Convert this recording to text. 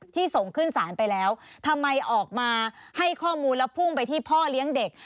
ส่งขึ้นศาลไปแล้วทำไมออกมาให้ข้อมูลแล้วพุ่งไปที่พ่อเลี้ยงเด็ก